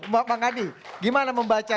bang hadi gimana membaca